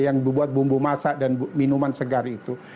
yang dibuat bumbu masak dan minuman segar itu